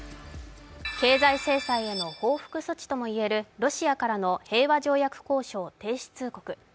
経済制裁への報復措置もといえるロシアからの平和条約交渉停止通告。